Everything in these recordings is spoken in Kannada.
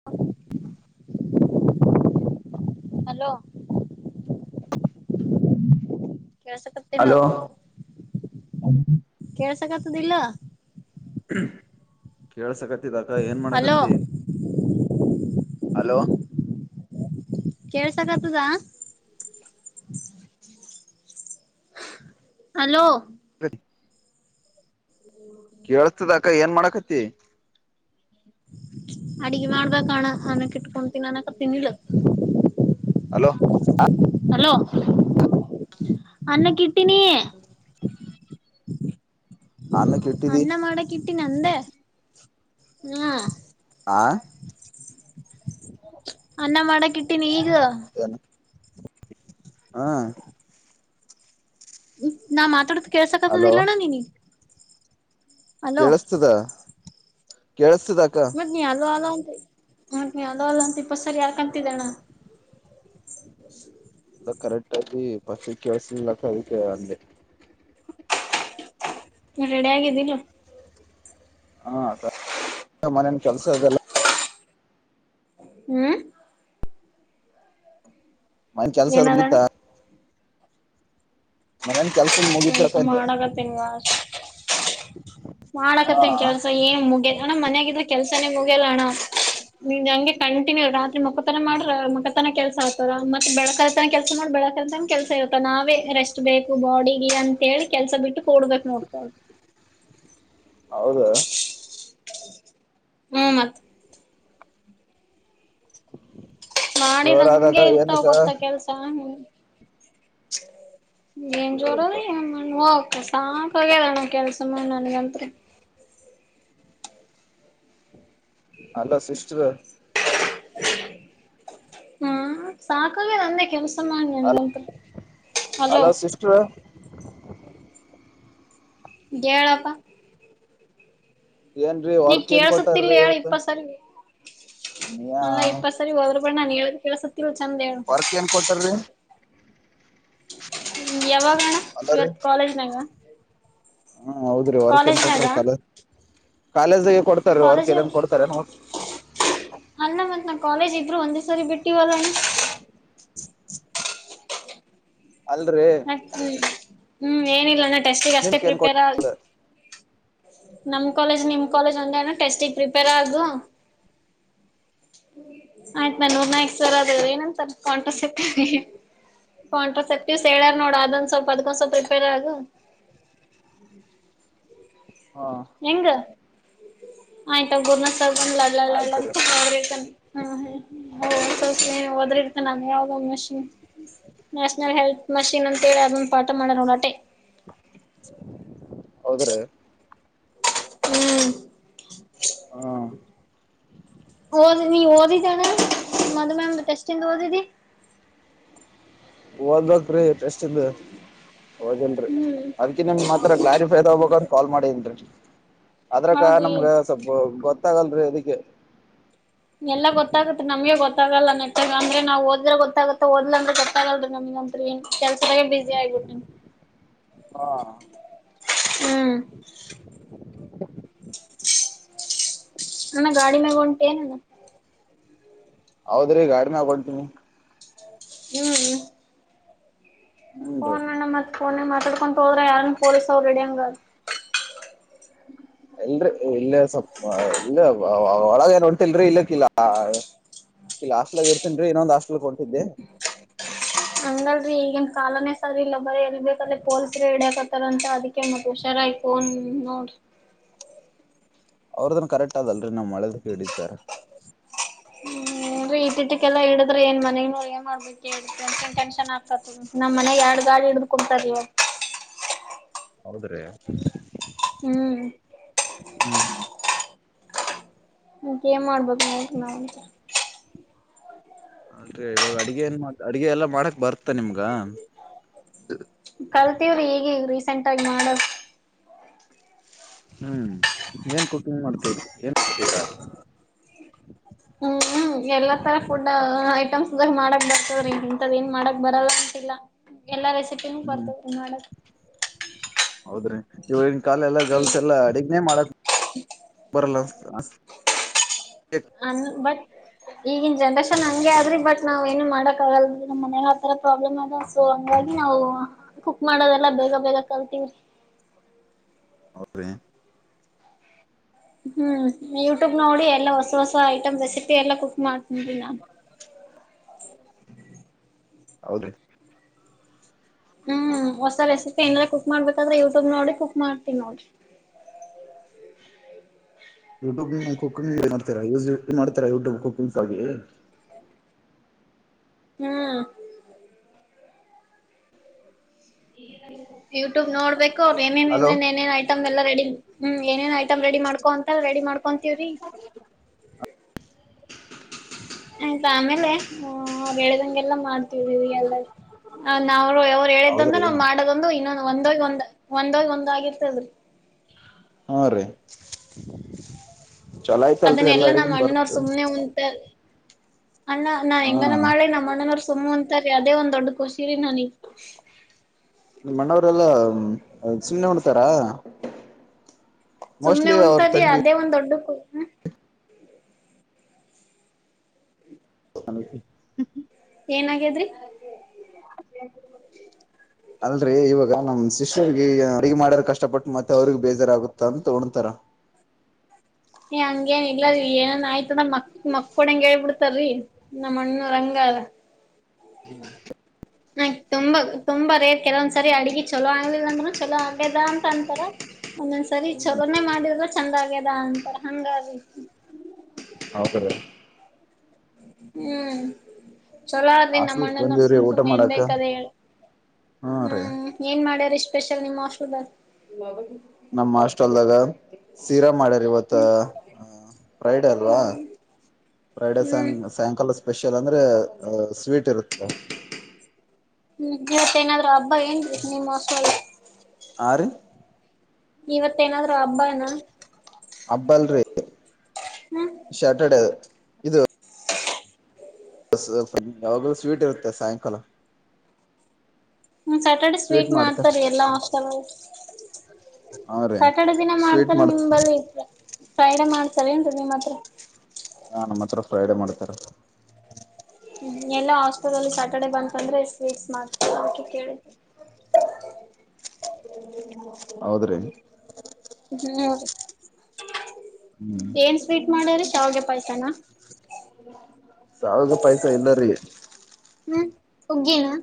[unintelligible] ಹಲೋ ಕೆೇಳಸಕತ್ಲ್ ಹಲೋ [unintelligible] ಕೆಳಸಕತ ದಲ್ಲ ಕೇಳಸಕತ್ತಿದ ಅಕ್ಕ ಏನ್ ಹಲೋ ಮಾಡಕತ್ತ ಹಲೋ ಕೇಳ್ಸಕ್ತದಾ ಹಲೋ ಕೇಳತದ ಅಕ್ಕ ಏನ್ ಮಾಡಕತಿ ಅಡ್ಗೆ ಮಾಡ್ಬೇಕಕ್ಣ ಅನಕ್ ಇಟ್ಕೊಂತೀನಿ ಅನಕ ತಿನಲ್ಲ ಹಲೋ ಹಲೋ ಅನ್ನ ಕಿಟ್ಟಿನಿ ಅನ್ನ ಕೆ ಇಟ್ಟಿದಿ ಕಿಟ್ಟಿನಂದ ಹಾ ಆ ಅನ್ನ ಮಾಡಕ್ ಇಟ್ಟೀಿನಿ ಈಗ [unintelligible] ಹ ನಾ ಮಾತಾಡೋ ಕೇಳಸಕ್ತದ ಅಲೋ ಇಲ್ಲಣ್ಣ ನೀ ಕೇಳಿಸತದ ಕೇಳಸ್ತದ ಅಕ್ಕ ಹ ನೀ ಅಲ್ ಅಲ ಅಂತ ಹ ಅಲ ಅಲ್ಲ ಅಂತ ಇಪ್ಪ ಸರಿ ಯಾಕ ಅಂತಿದ್ದಣ್ಣ ಬಸ್ ಇ ಕರೆಕ್ಟ್ ಅ ಪಸಕ್ಕಿ ವಸ ಲಕ ಅದಕ್ಕೆ ಅ ರೆಡಿ ಆಗಿದ್ದೀನ ಹಾ ಮನನ್ ಕೆಲ್ಸ ಅದೆಲ್ಲ ಹ್ಮ ಮ [unintelligible] ಕೆಲ್ಸರ್ ಗತ್ತ ಸ್ವಲ್ಪ ಮಾಡಗತ್ತನ್ವಾ ಹಾ ಮಾಡಕತ್ತನ್ ಕೆಲ್ಸ ಏನ್ ಮುಗ ಅಣ ಮನ್ಯಾಗಿದ್ರೆ ಕೆಲ್ಸಾನೇ ಮುಗಿಯಲ್ಲ ಅಣ್ಣ ನಿಮ ಹಂಗೆ ಕಂಟಿನ್ಯೂ ರಾತ್ರಿ ಮಕ್ಕತನ ಮಾಡ್ರ ಮ ಕೆಲಸ ಆಗ್ತಾರ ಮತ್ತೆ ಬೆಳಕತ ಕೆಲಸ ಮಾಡಿ ಬೆಳಕಲ್ತನ ಕೆಲಸ ಇರುತ್ತ ನಾವೇ ರೆಸ್ಟ್ ಬೇಕು ಬಾಡಿ ಅಂತ ಹೇಳಿ ಕೆಲ್ಸ ಬಿಟ್ಟು ಕೊಡ್ಬೇಕಕ್ ನೋಡ್ತವ ಹೌದ ಹು ಮತ್ ಮಾಡಿದ ಜೋರಾದಕ ಹಂಗೆ ಇರ್ತವ್ ಏನಕ್ಕ ಗೊತ್ತ ಕೆಲ್ಸ ಹೌದ ಕೇಳಿಲ್ಪ [unintelligible] ಓಕ ಸಾಕಾಗ್ಯದ ಕೆಲ್ಸ ಮಾಡ ನನ್ಗತ್ರಿ ಅಲ್ಲ ಸಿಸ್ಟರ್ ಹ್ಮ ಸಾಕಾಗಿದೆ ಅಂದೇ ಕೆಲ್ಸ ಮಾಡ್ ನನ್ಗಂತ್ರು ಹಲೋ ಸಿಸ್ಟರ್ ಹೇಳಪ್ಪ ಏನ್ರೀ ನೀ ವರ್ಕ್ ಏನ್ ಕೇಳ್ಸುತ್ತಿಲ್ ಕೊಟ್ಟಾರ್ರಿ ಹೇಳ್ ಇವತ್ತು ಇಪ್ಪತ್ ಸಲಿ ಅಲ್ಲಾ ನೀ ಇಪ್ಪತ್ತು ಸರಿ ಹೋದ್ರರುಬೇಡ ನಾನ್ ಹೇಳ ಕೆೇಳಸತಿಲ್ ಚೆಂದ ಹೇಳು ವರ್ಕ್ ಏನ್ ಕೊಡ್ತಾರೀ ಯಾವಾಗ ಅಲ್ಲರಿ ಹಾ ಹೌದ್ರಿ ವರ್ಕ್ ಏನ್ ಕಾಲೇಜ್ನಾಗ ಕೊಟ್ರಿರು ಕಾಲೇಜಿಗೆ ಕೊಡ್ತಾರೆ ವರ್ಕ್ ಕಾಲೇಜ್ ಎಲ್ಲನ್ ಕೊಡ್ತಾರೆನೋ ಅಲ್ಲ ಮತ್ ನಾ ಕಾಲೇಜ್ ಇದ್ರು ಒಂದೇ ಸರಿ ಬಿಟ್ಟಿವಲ್ಲಣ ಅಲ್ರಿ ಹ್ಮ್ ಹ್ಮ್ ಏನಿಲ್ಲಣ ಟೆಸ್ಟಿಗೆ ಅಷ್ಟೇ ನಿಮ್ಕ್ ಏನ್ ಕೊಡ್ ಪ್ರಿಪೇರ್ ಆಗಿ ನಮ್ ಕಾಲೇಜ್ ನಿಮ್ ಕೇಜ್ ಒಂದೆ ಅಣ್ಣ ಟೆಸ್ಟಿಗೆ ಪ್ರಿಪೇರ್ ಆಗು ಆಯ್ತು ನಾ ನೂರ್ ನಾಕಕ್ ಸರ್ ಏನಂತ ಕಂಟ್ರಾ ಸ್ಪೆಕ್ಟಿಕ್ ಕಂಟ್ರಾಸೆಪ್ಟಿವ್ಸ್ ಹೇಳರ್ ನೋಡ ಅದೊ ಒಂದು ಸ್ವಲ್ಪ ಅದಿಕ್ಕೆ ಒಂದು ಸ್ವಲ್ಪ ಪ್ರಪೇರ್ ಆಗು ಹಾ ಹೆಂಗ ಆಯ್ತಾ ಗುರ್ನ ಆಯ್ತ್ರಿ ಲಡ್ಲಡ್ತ [unintelligible] ಹ್ಮ ಒಸಿ ಒಸಿನೆ ಹೋದ್ರ ಇರ್ತಾನ ನಾವು ಹೋಗೋ ಮುಂಚೆನೇ ನ್ಯಾಷನಲ್ ಹೆಲ್ತ್ ಮಷಿನ್ ಅಂತೇಳಿ ಅದೊಂದು ಪಾಠ ಮಾಡೋರೇ ಅಷ್ಟೇ ಹೌದ್ರೀ ಹ್ಮ್ ಹಾ ಓದ್ನೀ ನೀ ಓದಿದಣ್ಣ ಮೊದ್ಲು ಟೆಸ್ಟಿಂದ ಓದಿದಿ ಓದಬೇಕ್ರಿ ಟೆಸ್ಟಿಂದು ಓದಿಲ್ರಿ ಹ್ಮ್ ಅದಕ್ಕಿ ನಿಮ್ ಮಾತ್ರ ಕ್ಲಾರಿಫೈ ತಕೋಬೇಕು ಅಂತ ಕಾಲ್ ಮಾಡಿನ್ರಿ ಅದ್ರಕ್ಕ ಹೌದ್ರಿ ನಮ್ಗ ಸ್ವಲ್ಪ ಗೊತ್ತಾಗಲ್ರಿ ಅದಕ್ಕೆ ಎಲ್ಲ ಗೊತ್ತಾಗುತ್ತೆ ನಮಗೆ ಗೊತ್ತಾಗಲ್ಲ ನೆಟ್ಟಗೆ ನಮಗೆ ನಾವು ಓದಿದ್ರೆ ಗೊತ್ತಾಗುತ್ತೆ ಓದಿಲ್ಲ ಅಂದ್ರ ಗೊತ್ತಗಲ್ಲ ನಮಗೆ ಕೆಲಸೆದಾಗೆ ಬಿಜಿ ಹಾಗಿಬಿಡ್ತೀನಿ ಹಾ ಹ್ಮ್ ಅಣ್ಣ ಗಾಡಿ ಮ್ಯಾಗ ಹೊಂಟೇನು ಹೌದ್ರೀ ಗಾಡಿಮ್ಯಾಗ ಹೊಂಟಿನಿ ಹ್ಮ್ ಹೂನ್ರಿ ಫೋನ್ ಅಣ್ಣ ಮತ್ತ್ ಫೋನಿಗೆ ಮಾತಾಡ್ಕೊಂಡು ಹೋದ್ರೆ ಯಾರ ಪೊಲೀಸ್ ಅವ್ ಇಡಿಯಾಗ [inaudible] ಇಲ್ರರಿ ಇಲ್ಲೇ ಸ್ವಲ್ಪ ಇಲ್ಲ ಒಳಗೆ ಏನ್ ಹೊಂಟೀಲ್ರಿ ಇಲ್ಲಕ್ಕ ಇಲ್ಲ ಇಲ್ಲಿ ಹಾಸ್ಟೆಲ್ದಾಗ ಇರ್ತೀನ್ರೀ ಇನ್ನೊಂದು ಹಾಸ್ಟ್ಗೆ ಹೋಗ್ತಿದೆ ಹಂಗಲ್ರರಿ ಈಗನ್ ಕಾಲನೇ ಸರಿ ಇಲ್ಲ ಬರಿ ಎಲ್ಲಿ ಬೇಕಲ್ಲಿ ಪೋಲಿಸಾರು ಇಡಿಯಕಾತರ ರ ಅಂತ ಅದಕ್ಕೆ ಮತ್ತೆ ಹುಷಾರಾಗಿ ಫೋನ್ ನೋಡ್ರಿ ಅವ್ರದನ್ ಕರೆಕ್ಟ್ ಅದಲ್ರಿ ನಾ ಮಾಡದಕ್ಕೆ ಇಡೀತಾರೆ ಹುನ್ರಿ ಈಟಿಟಕ್ಕೆಲ್ಲ ಇಡಿದ್ರೆ ಏನ್ ಮನೆಗೋ ಏನೋ ಟೆನ್ಶನ್ ಆಗ್ತರಾ ನಮ್ಮ ಮನೆಯಾಗ ಎರಡ್ ಗಾಡಿ ಹಿಡದು ಕುಂತಾರೀ ಇವತ್ತು [unintelligible] ಹ್ಮ್ ಹ್ಮ್ ಈಗ ಏನ್ ಮಾಡ್ಬೇಕು ನೋಡ ರೀ ನಾವು ಅಲ್ರಿ ಇವಾಗ ಅಡಗೆ ಏನ್ ಅಡಗೆ ಎಲ್ಲಾ ಮಾಡಕ್ ಬರ್ತ ನಿಮ್ಗ ಕಲ್ತೀವ್ರಿ ಈಗೀಗ ರೀಸೆಂಟ್ ಆಗಿ ಮಾಡದ ಹ್ಮ್ ಏನ್ ಕುಕಿಂಗ್ ಮಾಡ್ತೇರಿ ಏನ್ ಮಾಡ್ತೇರ ಹ್ಮ್್ಮಹು ಎಲ್ಲಾ ತರ ಫುಡ್ ಐಟಮ್ಸ್ ಇದರ ಮಾಡಕ ಇಂತದ ಏನ್ ಮಾಡಕ್ ಬರಲ್ಲ ಅಂತಿಲ್ಲ ಎಲ್ಲಾ ರೆಸಿಪ ಹು ಹ್ಮ್ ಬರ್ತತಿ ಮಾಡಕ್ ಹೌದ್ರಿ ಇವಾಗಿನ ಕಾಲ ಎಲ್ಲ ಹ್ಮ್ ಗರ್ಲ್ಸ್ ಎಲ್ಲ ಅಡಗ್ನನೆ ಮಾಡಕ್ ಬರಲ್ಲ ಅನ್ನ ಬತಿ ಈಗಿನ್ ಜನ್ರೇಷನ್ ಹಂಗೆ ಆದ್ರಿ ಬಟ್ ನಾವ್ ಏನು ಮಾಡಕ್ ಆಗಲ್ ನಮ್ಮ ಮನೆ ಆತರ ಪ್ರಾಬ್ಲಮ್ ಆದ ಸೊ ಹಂಗಾಗಿ ನಾವು ಕುಕ್ ಮಾಡೋದೆಲ್ಲ ಬೇಗ ಬೇಗ ಕಲ್ತೀವಿ. ಒಪರೇ ಹ್ಮ್ ಯೂಟ್ಯೂಬ್ ನೋಡಿ ಎಲ್ಲಾ ಹೊಸ ಹೊಸ ಐಟಂ ರೆಸಿಪಿ ಎಲ್ಲ ಕುಕ್ ಮಾಡ್ತಿದಿವಿ ನಾನ್ ಹೌದ್ರೀ ಹ್ಮ್ ಹೊಸ ರೆಸಿಪಿ ಏನಾರ ಕುಕ್ ಮಾಡಬೇಕಾದ್ರೆ ಯೂಟ್ಯೂಬ್ ನೋಡಿ ಕುಕ್ ಮಾಡ್ತೀವಿ ನೋಡಿ. ಯೂಟ್ಯೂಬ್ ಕುಕಿಂಗ್ ಮಾಡ್ತಾರ ಉಸೆಸ್ ಮಾಡ್ತಿರ ಯೂಟ್ಯೂಬ್ ಕುಕಿಂಗಾಗಿ ಹ್ಮ [unintelligible] ಯೂಟ್ಯೂಬ್ ನೋಡ್ಬೇಕು ಅದ ಏನೇನ್ ಹಲೋ ಏನೇನ್ ಐ ಐಟಂ ಎಲ್ಲ ರೆಡಿ ಹ್ಮ್ ಏನೇನ್ ಐಟಂ ರೆಡಿ ಮಾಡಕೋಂತರ ರೆಡಿ ಮಾಡ್ಕೊಂತೀವ್ರೀ ಆಯ್ತು ಆಮೇಲೆ ಅವ್ರು ಎಳದಂಗೆಲ್ಲ ಮಾಡ ನಾವ್ರು ಅವ್ರು ಹೇಳಿದ್ದಂದು ಹೌದ್ರಿ ನಾವ್ ಮಾಡೋದಂದು ಇನ್ನೊ ಒಂದೋಗಿ ಒಂದ್ ಒಂದೋಗಿ ಒಂದ ಆಗತೆದ ಹಾ ರೀ ಚಲೋ ಆಯ್ತಲ್ರಿ ಎಲ್ಲಾ ಅದನ್ನೆಲ್ಲಾ ನಮ್ ಅಡಿಗೆ ಬರ್ತ ಅಣ್ಣನವ್ರು ಸುಮ್ನೆ ಉಂತ ಅಣ್ಣ ನಾ ಹಾ ಹೆಂಗನ ಮಾಡಿ ನಮ್ಮ ಅಣ್ಣನ ವರ್ಸ್ ಸುಮ್ಮು ಅಂತಾರೆ ಅದೇ ಒಂದ ದೊಡ್ ಖುಷಿರಿ ನನಗೆ ನಿಮ್ಮ ಅಣ್ಣವರೆಲ್ಲ ಸುಮ್ನೆ ಹೊಡ್ತಾರ. ಸುಮ್ನೆ ಉಣತಾರಿ ತಂಗಿ ಅದೇ ಒಂದ ದೊಡ್ಡ ಕು [inaudible] ಏನಾಗೆದ್ರಿ ಅಲ್ರೀ ಇವಾಗ ನಮ್ ಸಿಸ್ಟೆರ್ ಗೆ ಅಡುಗೆ ಮಾಡಾರ ಕಷ್ಟಪಟ್ಟು ಮತ್ತೆ ಅವ್ರಿಗ್ ಬೇಜಾರಾಗುತ್ತ ಅಂತ ಉಣ್ತಾರ. ಏ ಹಂಗೇನ್ ಇಲ್ಲ ರಿ ಏನನ್ ಆಯ್ತ ಅಂದ್ರ ಮಕ್ ಮಕ್ಕಕ್ ಹೊಡೆಂಗ ಹೇಳ ಬಿಡ್ತಾರಿ. ನಮ್ಮಣ್ಣು ರಂಗ ಅಲ್ಲ. ಹ್ಮ್ ಆ ತುಂಬಗ ತುಂಬಾ ರೇರ್ ಕೆಲ ಒಂದ್ಸರಿ ಅಡ್ಗಿ ಚಲೋ ಆಗ್ಲಿಲ್ಲ ಅಂದ್ರೂ ಚಲೋ ಆಗ್ಯದ ಅಂತ ಅಂತಾರ ಒಂದೊಂದ್ ಸರಿ ಚೊಲೋನೆ ಮಾಡಿದರ ಚಂದ ಆಗ್ಯದ ಅಂತಾರ ಹಂಗ ಹೌದ ರೇ ಹ್ಮ್ ಚೊಲೋ ಅದನ್ ನಮ್ಮ ಹಾಸ್ಟೆಲ್ ಅಣ್ಣನ ಬಂದಿವ್ರಿ ಸುಮ್ ಊಟ ಸುಮ್ ಏನ್ ಮಾಡಾಕ ಬೇಕದ ಹೇಳಿ ಹ್ಮ ರೀ ಹ್ಮ್ ಏನ್ ಮಾಡ್ಯರಿ ಸ್ಪೆಷಲ್ ನಿಮ್ಮ ಹಾಸ್ಟೆಲ್ದಾಗ ನಮ್ಮ ಹಾಸ್ಟೆಲದಾಗ ಶೀರಾ ಮಾಡ್ಯಾರ ಇವತ್ತ. ಹ್ಮ್ ಮತ್ತ ಫ್ರೈಡೆ ಅಲ್ವಾ ಹ್ಮ್ ಫ್ರೈಡೆ ಹ್ಮ್ ಸಾಂಗ್ ಸಾಯಂಕಾಲ ಸ್ಪೆಷಲ್ ಅಂದ್ರೆ ಸ್ವೀಟ್ ಇರುತ್ತೆ ಹ್ಮ್ ಇವತ್ತೇನಾದ್ರು ಹಬ್ಬ ಏನ್ ನಿಮ್ಮ ಅಕ್ಕಳಿಗೆ ಆರು ಇವತ್ತೇಏನಾದ್ ಹಬ್ಬನಾ ಅಬ್ಬಲ್ರಿ ಹ್ಮ್ ಶಟರ್ಡೇ ಯಾವಾಗಲೂ ಸ್ವೀಟ್ ಇರುತ್ತೆ ಸಾಯಂಕಾಲ ಹ್ಮ ಸ್ಯಾಟರ್ಡೆ ಸ್ವೀಟ್ ಮಾಡ್ತಾರ ಎಲ್ಲಾ ಅಷ್ಟ ಹಾ ರೀ ಸ್ಯಾಟರ್ಡೆ ದಿನ ಸ್ವೀಟ್ ಮಾಡ್ತಾರ ಮಾಡ್ತ ನಿಮ ಬರಿ ಫ್ರೈಡೆ ಮಾಡ್ತಾರ ಏನ್ರಿ ನಿಮ್ಮ್ ಹತ್ರ ಹಾ ನಮ್ಮ ಹತ್ರ ಫ್ರೈಡೇ ಮಾಡ್ತಾರ ಹ್ಮ್ ಎಲ್ಲಾ ಹಾಸ್ಪೆಟಲ್ಲಿ ಸ್ಯಾಟರ್ಡೆ ಬಂತ ಅಂದ್ರೆ ಸ್ವೀಟ್ಸ್ ಮಾಡ್ತ ಅದ ಕೇಳ ಹೌದ್ರಿ ಹ್ಮ್ ರೀ ಏನ್ ಸ್ವೀಟ್ ಮಾಡ್ಯ್ರೀ ಶಾವಿಗೆ ಪಾಯಸನ ಹ ಸಾವಾಗ ಪೈಸ ಇಲ್ಲ ರೀ ಹ್ಮ್ ಹಗೇನಾ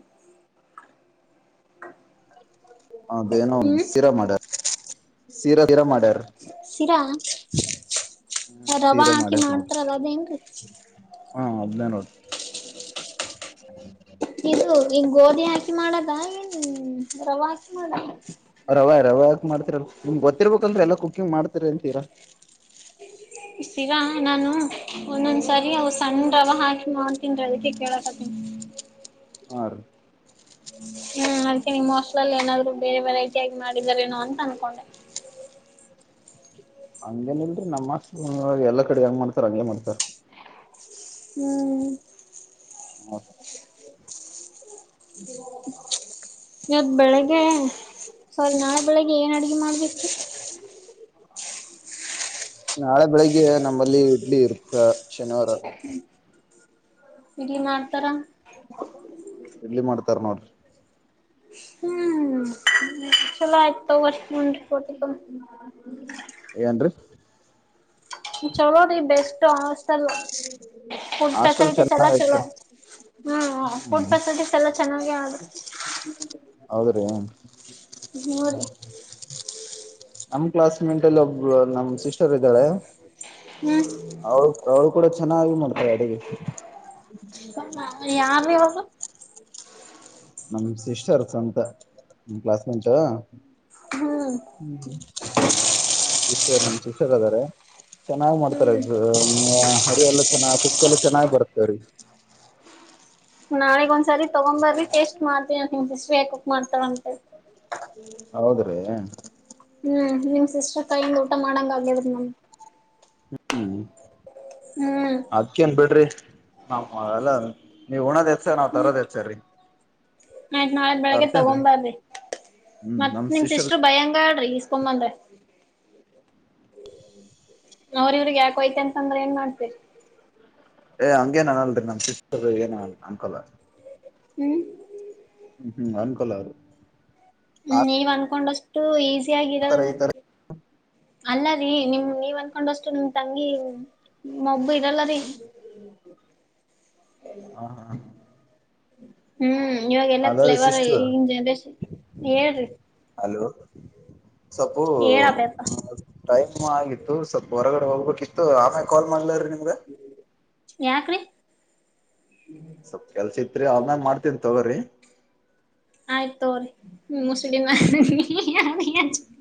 ಅದ ಏನೋ ಒ ಹ್ಮ್ ಶೀರಾ ಮಾಡ್ಯಾರ ಶೀರಾ ಶೀರಾ ಮಾಡ್ಯಾರ ಶಿರಾ ರವಾ ಸೀರಾ ಹಾಕಿ ಮಾಡ್ಯಾರ ನೋಡ್ರಿ ಮಾಡ್ತಾರದ ಅದೇನ್ ಹಾ ಹದ್ಞಾನನ್ ಹಾ ಇದು ಈಗ ಗೋಧಿ ಹಾಕಿ ಮಾಡದ ಇನ್ ರವ ಹಾಕಿ ಮಾಡದ ರವ ರವ ಯಕ ಮಾಡತತಿರಲ್ಲ ನಿಮ ಗೊತ್ತರ್ಬೇಕಕ್ಂದ್ರ ಎಲ್ಲ ಕುಕ್ಕಿಂಗ್ ಮಾಡ್ತಿ ಅಂತೀರಾ ಹಾ ಶರಾ ನಾನು ಒಂದೊಂದ್ ಸರಿ ಅವ ಸಣ್ಣ ರವ ಹಾಕಿ ಮಾಡ್ತನ್ ರ ಅಐತೆ ಕೇಳಕತ್ತನಿ ಹ ರ [unintelligible] ಹ್ಮ ಅದಕ್ಕೆ ನಿಮ್ಮ್ ಹೊಸ್ಲಲ್ಲಿ ಏನಾದ್ರು ಬೇರೆ ವೆರೈಟಿ ಆಗಿ ಮಾಡಿದಾರೇನೋ ಅಂತ ಅನ್ಕೊಂಡೆ ಹಂಗೇನ್ ಇಲ್ರರಿ ನಮ್ಮ ಎಲ್ಲಾ ಕಡೆ ಹಂಗ್ ಮಾಡ್ತಾರ ಹಂಗಗೆ ಮಾಡ್ತಾರ ಹ್ಮ್ ಮ [unintelligible] ಹ್ಮ ಇವದ ಬೆಳಿಗ್ಗೆ ಸಾರಿ ನಾಳೆ ಬೆಳಿಗ್ಗೆ ಏನ್ ಅಡ್ಗೆ ಮಾಡ್ಬೇಕು ನಾಳೆ ಬೆಳಿಗ್ಗೆ ನಮ್ಮಲ್ಲಿ ಇಡ್ಲಿ ಇರುತ್ತ ಶನಿವಾರ ಇಡೀ ಮಾಡ್ತಾರ ಇಡ್ಲಿ ಮಾಡ್ತಾರ ನೋಡ್ರಿ ಹ್ಮ್ ಚಲೋ ಆಯ್ತು ವರ್ಷ ಮು ಕೊಟ್ಟ ಏನ್ರರಿ ಚಲೋ ಬೆಸ್ಟಲ್ಲ ಫುಡ್ ಹಾಸ್ಟೆಲ್ ಫೆಸಿಲಿಟಿಸಸ್ ಎಲ್ಲ ಚೆನ್ನಾಗ್ ಚಲೋ ಐತ್ರಿ ಹ್ಮ್ ಫುಡ್ ಫೆಸಿಲಿಟೀಸ್ ಎಲ್ಲ ಚೆನ್ನಾಗ ಅದು ಹೌದ್ರೀ ಮೂರು ನಮ ಕ್ಲಾಸ್ ಮೇಟ್ ಅಲ್ಲಿ ಒಬ್ರು ನಮ ಸಿಸ್ಟರ್ ಇದ್ದಾಳೆ ಹ್ಮ್ ಅವ್ ಅವ್ರು ಕೂಡ ಚೆನ್ನಾಗಿ ಮಾಡ್ತಾರೆ ಅಡುಗೆ ಯಾರ ದಿವಸ ನಮ ಸಿಸ್ಟರ್ ಸ್ವಂತ ನ ಕ್ಲಾಸ್ ಮೆಂಚ ಹ್ಮ್ ಹ್ಮ್ ಹ್ಮ್ ಶ ನಮ್ ಶಿಕ್ಷಕ ಅದಾರೆ ಚೆನ್ನಾಗ್ ಮಾಡ್ತಾರೆ ಹ್ಮ್ ಹಾರಿ ಎಲ್ಲ ಚೆನ್ನಾಗ ಕುಕ್ಕ ಎಲ್ಲ ಚೆನ್ನಾಗ್ ಬರ್ತವ್ರೀಗ ನಾಳಿಗ್ ಒಂದ್ಸರಿ ತಗೊಂಬರ್ರಿ ಟೇಸ್ಟ್ ಮಾಡ್ರಿ ನಿಮ್ [unintelligible] ಮಾಡ್ತಾರ ಅಂತ ಹೌದ್ರೀ ಹ್ಮ್ ನಿಮ್ ಸಿಸ್ಟರ್ ಕೈಯಿಂದ ಊಟ ಮಾಡಾಂಗ ಆಗ್ಯದ್ರಿ ನಮಗ್ ಹ್ಮ್ ಹ್ಮ್ ಅದ್ಕೇನ್ ಬಿಡ್ರಿ ನಾವೇಲ್ಲ ನೀವ್ ಉಣೋದ್ ಹೆಚ್ಚ ನಾವ್ ಹ್ಮ್ ತರೋದ್ ಹೆಚ್ಚರ್ರೀ ಆಯ್ತ್ ನಾಳೆ ಬೆಳಗ್ಗೆ ತಗೊಂಬಾರ್ರಿ ಹ್ಮ್ ಮತ್ ನಮ್ ನಿಮ್ ಸಿಸ್ಟರ್ ಭಯಂಗಾಳರೀ ಸುಮ್ಮ ಅಂದೇ ಅವ್ರ ಇವರಿಗ್ ಯಾಕ ಹೋಯ್ತಿತಂದ್ರ ಏನ್ ಮಾಡ್ತಿರಿ ಏ ಹಂಗೇನ್ ಅನಲ್ರಿ ನಮ್ ಸಿಸ್ಟರ್ ಏನ ಅನ್ಕಲ್ಲ ಹ್ಮ್ ಹ್ಮ್ ಹ್ಮ್ ಅನ್ಕೋಲ್ಲ ಅವರು ಹ್ಮ್ ನೀವ್ ಅನ್ಕೊಂಡಷ್ಟು ಈಸಿ ಆತರ ಆಗಿರಲ್ ಈ ತರ ಅಲ್ಲ ರೀ ನಿಮ್ ನೀವ್ ಅನ್ಕೊಂಡಷ್ಟು ನಿಮ್ ತಂಗಿ ಮಬ್ಬು ಇರಲ್ಲರೀ ಹಾ ಹಾ ಹ್ಮ್ ಇವಾಗ ಎಲ್ಲ ಹಲೋ ರೀ ಕ್ಲೆವರ ಸಿಸ್ಟರ್ ಈಗಿನ್ ಜನರೇಶನ್ ಹೇಳ್ರಿ ಹಲೋ ಸೊಪ್ಪು ಹೇಳಪ್ಪಯಪ್ಪಾ ಟೈಮ್ ಆಗಿತ್ತು ಸ್ವಲ್ಪ ಹೊರಗಡೆ ಹೋಗ್ಬೇಕಿತ್ತು ಆಮೇಗ ಕಾಲ್ ಮಾಡ್ಲಾರೀ ನಿಮಗ್ ಯಾಕ್ರೀ ಸ್ವಲ್ಪ್ ಕೆಲ್ಸ ಇತ್ರಿ ಆಮೇಲ ಮಾಡ್ತೀನ್ ತೋಗೋರಿ ಆಯ್ತೊರಿ ನಿಮ್ಮ ಮುಸಡಿನಾ [unintelligible]